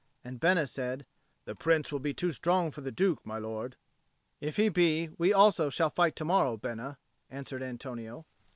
And Bena said, "The Prince will be too strong for the Duke, my lord." "If he be, we also shall fight to morrow, Bena," answered Antonio.